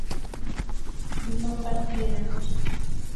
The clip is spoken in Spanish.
no partiéramos